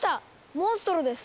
モンストロです！